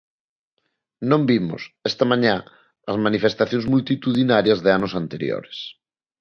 Non vimos, esta mañá, as manifestacións multitudinarias de anos anteriores.